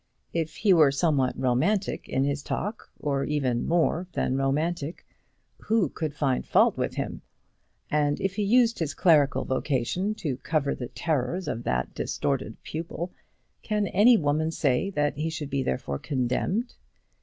If he were somewhat romantic in his talk, or even more than romantic, who could find fault with him? And if he used his clerical vocation to cover the terrors of that distorted pupil, can any woman say that he should be therefore condemned?